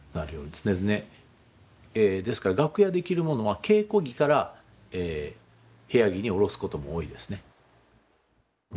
ですから楽屋で着る物は稽古着から部屋着におろすことも多いですね。